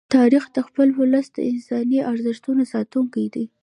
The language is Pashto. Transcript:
تاریخ د خپل ولس د انساني ارزښتونو ساتونکی دی.